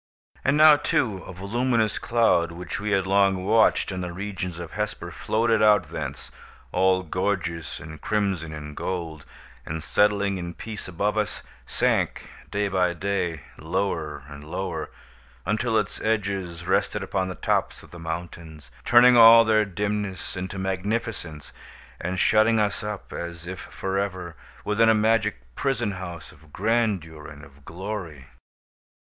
And now, too, a voluminous cloud, which we had long watched in the regions of Hesper, floated out thence, all gorgeous in crimson and gold, and settling in peace above us, sank, day by day, lower and lower, until its edges rested upon the tops of the mountains, turning all their dimness into magnificence, and shutting us up, as if forever, within a magic prison house of grandeur and of glory.